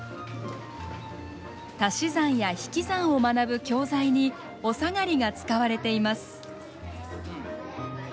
足し算や引き算を学ぶ教材におさがりが使われています。